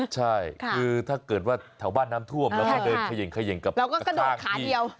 ใช่คือถ้าเกิดว่าแถวบ้านน้ำท่วมแล้วก็เดินเขย่งเขย่งกับเรา